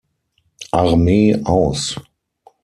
Armee aus.